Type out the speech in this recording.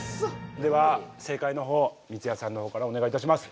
では正解のほうを三津谷さんのほうからお願いいたします。